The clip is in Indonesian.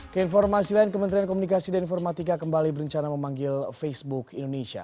keinformasi lain kementerian komunikasi dan informatika kembali berencana memanggil facebook indonesia